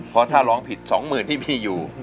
เพราะถ้าร้องผิดสองหมื่นที่มีอยู่